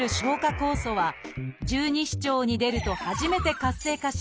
酵素は十二指腸に出ると初めて活性化し